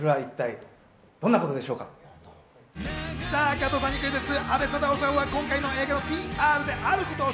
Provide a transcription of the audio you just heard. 加藤さんにクイズッス。